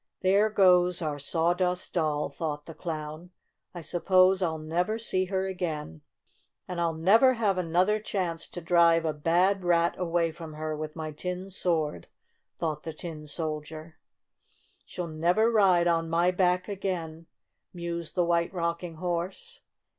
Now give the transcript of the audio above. "There goes our Sawdust Doll !" thought the Clown. "I suppose 111 never see her again." "And I'll never have another chance to drive a bad rat away from her with my tin sword," thought the Tin Soldier. "She'll never ride on my back again," mused the White Rocking Horse.